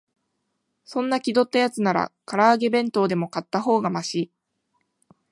そんな気取ったやつなら、から揚げ弁当でも買ったほうがマシ